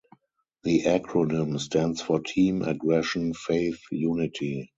The acronym stands for Team, Aggression, Faith, Unity.